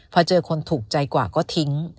พอเจอคนถูกใจกว่าก็ทิ้ง